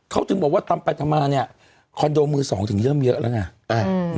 เขาถึงบอกว่าตามปัจจัมหาเนี้ยคอนโดมือสองถึงเยิ่มเยอะแล้วน่ะอืม